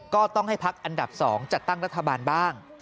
ก็ต้องให้พักอันดับ๒จัดตั้งรัฐบาลบ้าง